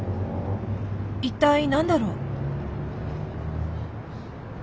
一体何だろう？